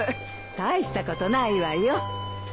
大したことないわよ。